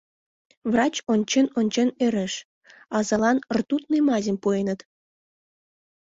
Врач, ончен-ончен, ӧреш: азалан ртутный мазьым пуэныт.